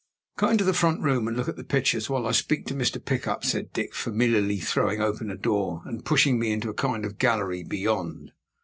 "Go into the front show room, and look at the pictures, while I speak to Mr. Pickup," said Dick, familiarly throwing open a door, and pushing me into a kind of gallery beyond.